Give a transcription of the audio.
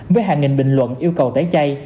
với hàng nghìn bình luận yêu cầu tẩy chay